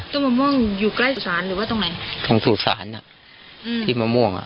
มะม่วงอยู่ใกล้สุสานหรือว่าตรงไหนตรงสู่ศาลอ่ะอืมที่มะม่วงอ่ะ